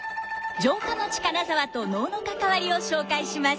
城下町金沢と能の関わりを紹介します。